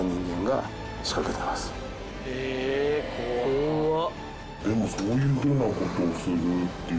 怖っ。